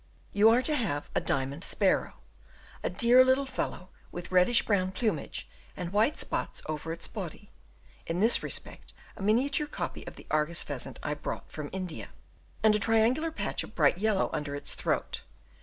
You are to have a "diamond sparrow," a dear little fellow with reddish brown plumage, and white spots over its body (in this respect a miniature copy of the Argus pheasant I brought from India), and a triangular patch of bright yellow under its throat.